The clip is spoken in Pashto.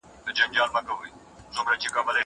زه هره ورځ کتابونه لوستل کوم!؟